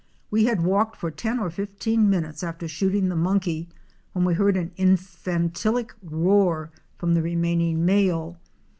We had walked for ten or fifteen minutes after shooting the monkey when we heard an infan tile roar from the remaining male.